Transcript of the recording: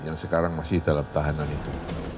yang sekarang masih dalam tahanan itu